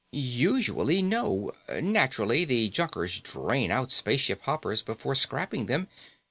"Usually, no. Naturally, the junkers drain out spaceship hoppers before scrapping them.